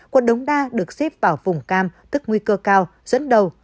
quận đống đa được xếp vào vùng cam tức nguy cơ cao dẫn đầu